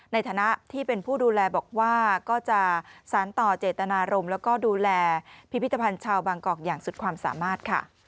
ในฐานะที่เป็นผู้ดูแลบอกว่าก็จะสารต่อเจตนารมณ์แล้วก็ดูแลพิพิธภัณฑ์ชาวบางกอกอย่างสุดความสามารถค่ะ